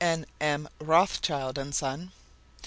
M. Rothschild and Son.